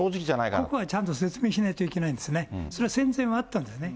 ここはちゃんと説明しないといけないんですね、それは戦前はあったんですね。